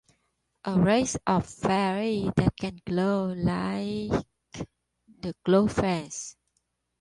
A race of fairies that can glow like the Glo Friends.